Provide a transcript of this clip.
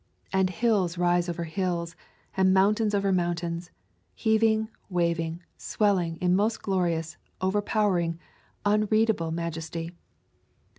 And hills rise over hills, and mountains over mountains, heaving, waving, swelling, in most glorious, overpowering, unreadable maj esty.